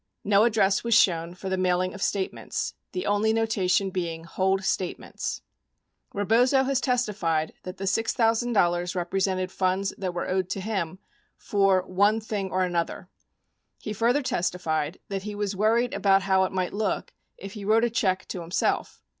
No address was shown for the mailing of statements — the only notation being "Hold Statements." 21 Rebozo has testified that the $6,000 represented funds that were owed to him for "one thing or another." He further testified that he was "worried about how it might look if he wrote a check to him self."